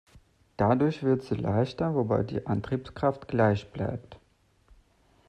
Dadurch wird sie leichter, wobei die Antriebskraft gleich bleibt.